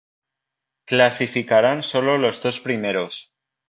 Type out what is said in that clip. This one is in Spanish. Clasificarán solo los dos primeros.